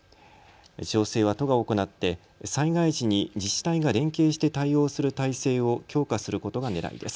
調整は都が行って災害時に自治体が連携して対応する体制を強化することがねらいです。